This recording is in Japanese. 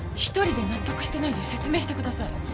１人で納得してないで説明してください。